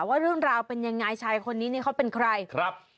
ว่าเรื่องราวเป็นยังไงชายคนนี้เนี่ยเขาเป็นใครครับ